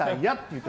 って。